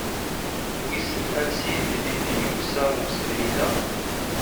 Wisen ansi i d-yusa umsebrid-a?